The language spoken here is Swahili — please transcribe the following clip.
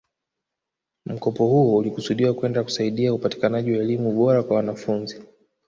Mkopo huo ulikusudiwa kwenda kusaidia upatikanaji wa elimu bora kwa wanafunzi